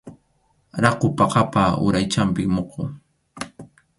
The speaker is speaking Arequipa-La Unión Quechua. Rakhu phakapa uraychanpi muqu.